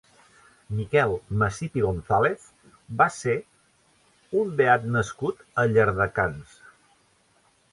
Miquel Masip i González va ser un beat nascut a Llardecans.